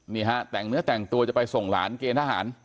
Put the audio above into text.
นี่ฮะแต่งเนื้อแต่งตัวจะไปส่งหลานเกณฑ์ทหาร